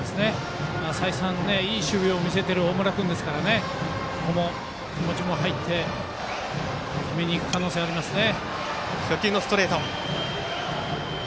再三、いい守備を見せている大村君ですからここも気持ちも入って決めにいく可能性ありますね。